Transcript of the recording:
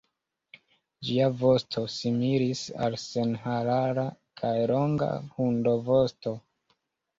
Ĝia vosto similis al senharara kaj longa hundovosto.